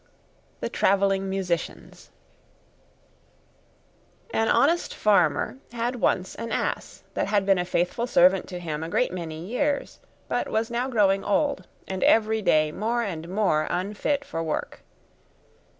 THE TRAVELLING MUSICIANS An honest farmer had once an ass that had been a faithful servant to him a great many years, but was now growing old and every day more and more unfit for work.